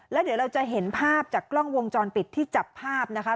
แล้วเดี๋ยวเราจะเห็นภาพจากกล้องวงจรปิดที่จับภาพนะคะ